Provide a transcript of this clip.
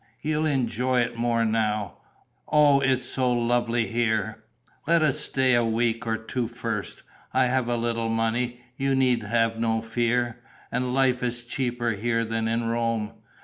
You'll enjoy it more now. Oh, it is so lovely here! Let us stay a week or two first. I have a little money; you need have no fear. And life is cheaper here than in Rome.